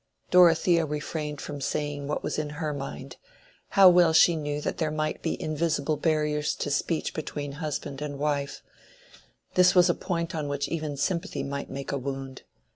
Dorothea refrained from saying what was in her mind—how well she knew that there might be invisible barriers to speech between husband and wife. This was a point on which even sympathy might make a wound.